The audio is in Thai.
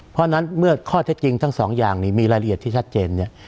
เพราะฉะนั้นเมื่อข้อเท็จจริงทั้งสองอย่างนี้มีรายละเอียดที่ชัดเจนเนี่ย